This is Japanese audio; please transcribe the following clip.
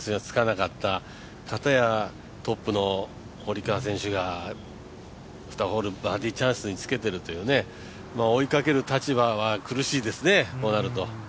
かたやトップの堀川選手が２ホールバーディーチャンスにつけているという追いかける立場は苦しいですね、こうなると。